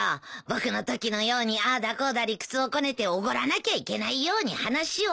僕のときのようにああだこうだ理屈をこねておごらなきゃいけないように話を。